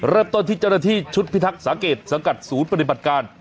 เริ่มต้นที่เจ้าหน้าที่ชุดพิทักษ์สังเกตสังกัดศูนย์ปฏิบัติการ